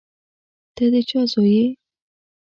ته د چا زوی یې؟